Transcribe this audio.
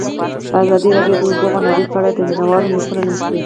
ازادي راډیو د د اوبو منابع په اړه د مینه والو لیکونه لوستي.